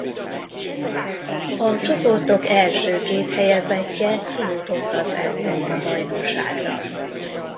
A csoportok első két helyezettje kijutott az Európa-bajnokságra.